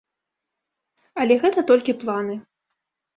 Але гэта толькі планы.